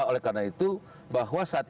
oleh karena itu bahwa